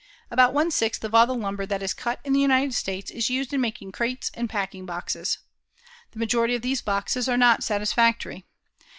About one sixth of all the lumber that is cut in the United States is used in making crates and packing boxes. The majority of these boxes are not satisfactory.